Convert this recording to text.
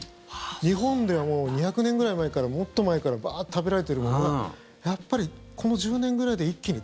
日本ではもう２００年ぐらい前からもっと前からバーッと食べられているものがやっぱり、この１０年ぐらいで一気に。